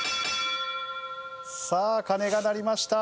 さあ鐘が鳴りました。